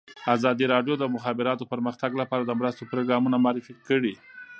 ازادي راډیو د د مخابراتو پرمختګ لپاره د مرستو پروګرامونه معرفي کړي.